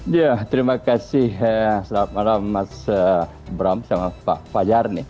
ya terima kasih selamat malam mas bram sama pak fajar nih